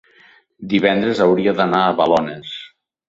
Divendres hauria d'anar a Balones.